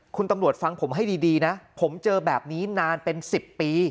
คุณตำรวจฟังผมให้ดีนะผมเจอแบบนี้นานเป็น๑๐ปี